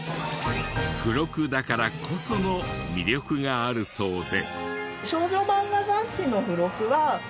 付録だからこその魅力があるそうで。